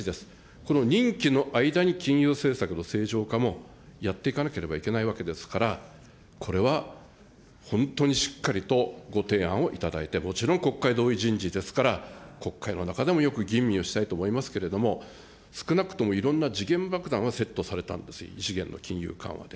この任期の間に金融政策の正常化もやっていかなければいけないわけですから、これは本当にしっかりとご提案をいただいて、もちろん国会同意人事ですから、国会の中でもよく吟味をしたいと思いますけれども、少なくともいろんな時限爆弾はセットされたんです、異次元の金融緩和で。